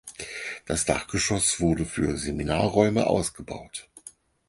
Das Dachgeschoss wurde für Seminarräume ausgebaut.